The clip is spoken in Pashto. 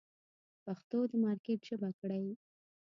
پښتو د مارکېټ ژبه کړئ.